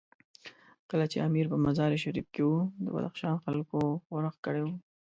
کله چې امیر په مزار شریف کې وو، د بدخشان خلکو ښورښ کړی وو.